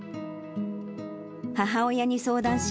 母親に相談し、